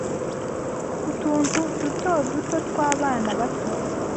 Utuntu duto duto twabana bato